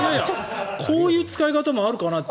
こういう使い方もあるかなって。